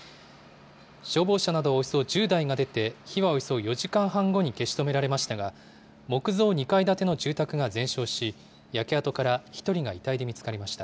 消防車などおよそ１０台が出て、火はおよそ４時間半後に消し止められましたが、木造２階建ての住宅が全焼し、焼け跡から１人が遺体で見つかりました。